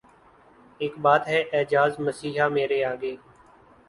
اک بات ہے اعجاز مسیحا مرے آگے